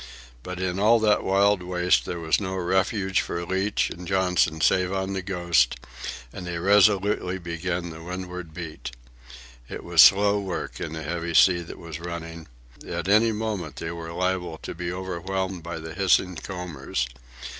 But in all that wild waste there was no refuge for Leach and Johnson save on the Ghost, and they resolutely began the windward beat. It was slow work in the heavy sea that was running. At any moment they were liable to be overwhelmed by the hissing combers.